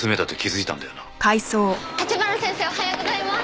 立花先生おはようございます！